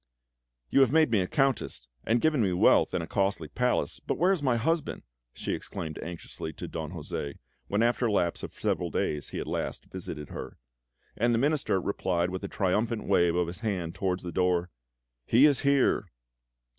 "You have made me a countess, and given me wealth and a costly palace, but where is my husband?" she exclaimed anxiously to Don José, when after a lapse of several days he at last visited her; and the Minister replied with a triumphant wave of the hand towards the door: "He is here!"